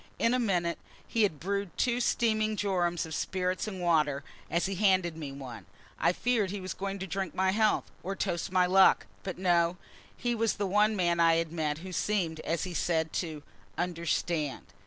In a minute he had brewed two steaming jorums of spirits and water; as he handed me one, I feared he was going to drink my health, or toast my luck; but no, he was the one man I had met who seemed, as he said, to "understand."